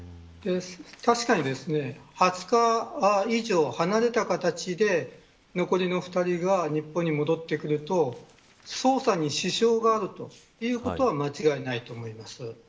確かに、２０日以上離れた形で残りの２人が日本に戻ってくると捜査に支障があるということは間違いないと思います。